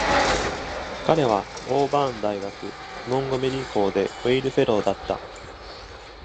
彼は、オーバーン大学モンゴメリー校で Weil フェローだった。